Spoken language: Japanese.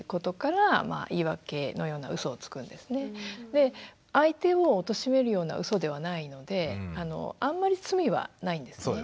で相手をおとしめるようなうそではないのであんまり罪はないんですね。